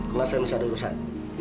karena saya masih ada urusan